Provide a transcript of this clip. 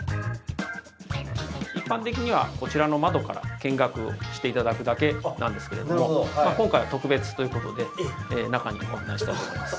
一般的にはこちらの窓から見学して頂くだけなんですけれども今回は特別ということで中にご案内したいと思います。